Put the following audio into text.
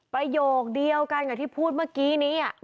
ประโยคเดียวกันกับที่พูดเมื่อกี้นี้